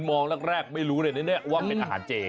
มองลักษณ์แรกแม้ล้วเป็นอาหารเจ